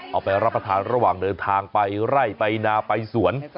เอาไปรับประทานระหว่างเดินทางไปไล่ไปนาไปสวน